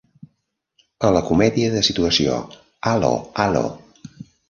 A la comèdia de situació 'Allo 'Allo!